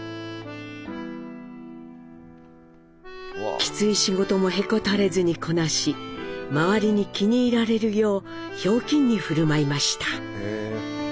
きつい仕事もへこたれずにこなし周りに気に入られるようひょうきんに振る舞いました。